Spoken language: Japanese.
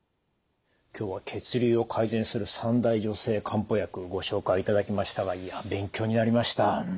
今日は血流を改善する三大女性漢方薬ご紹介いただきましたがいや勉強になりました。